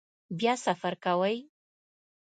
بیا سفر کوئ؟